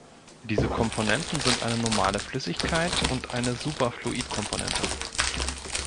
Diese Komponenten sind eine normale Flüssigkeit und eine Superfluidkomponente.